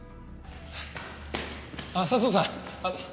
あっ佐相さん。